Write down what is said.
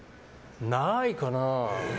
ないかな。